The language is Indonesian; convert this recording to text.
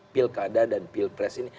pilkada dan pilpres ini